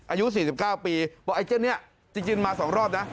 อายุสี่สิบเก้าปีว่าไอ้เจ้าเนี้ยจริงจริงมาสองรอบนะ